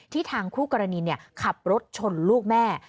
ที่ทางคู่กรณีเนี่ยขับรถชนลูกแม่